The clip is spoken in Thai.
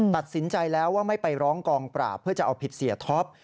ตัดสินใจแล้วว่าไม่ไปร้องกองปราบเพื่อจะเอาผิดเสียท็อป